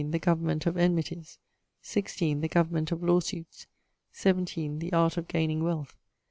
The Government of Enmities. 16. The Government of Law suites. 17. The Art of Gaining Wealth.